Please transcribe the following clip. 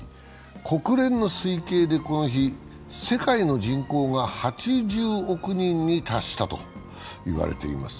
国連の推計でこの日、世界の人口が８０億人に達したと言われています。